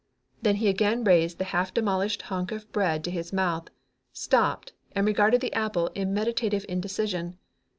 Then he again raised the half demolished hunk of bread to his mouth, stopped and regarded the apple in meditative indecision.